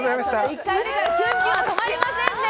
１回目からキュンキュン止まりませんね。